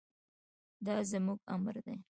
دا زموږ امر دی.